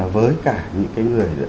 với cả những cái người